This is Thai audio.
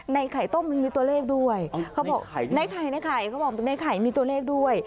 ไข่ต้มมันมีตัวเลขด้วยเขาบอกในไข่ในไข่เขาบอกในไข่มีตัวเลขด้วย